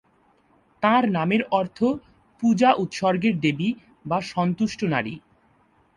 তাঁর নামের অর্থ "পূজা-উৎসর্গের দেবী" বা "সন্তুষ্ট নারী"।